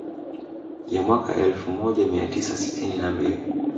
Ya mwaka elfu moja mia tisa sitini na mbili